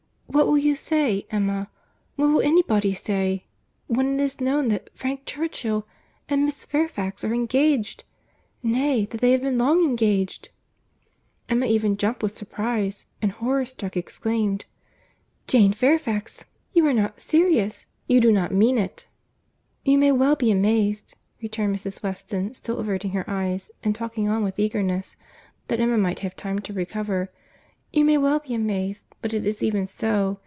—What will you say, Emma—what will any body say, when it is known that Frank Churchill and Miss Fairfax are engaged;—nay, that they have been long engaged!" Emma even jumped with surprize;—and, horror struck, exclaimed, "Jane Fairfax!—Good God! You are not serious? You do not mean it?" "You may well be amazed," returned Mrs. Weston, still averting her eyes, and talking on with eagerness, that Emma might have time to recover— "You may well be amazed. But it is even so.